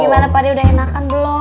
gimana pade udah enakan belum